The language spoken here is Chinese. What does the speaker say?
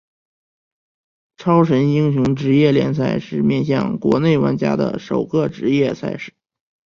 超神英雄职业联赛是面向国内玩家的首个职业赛事。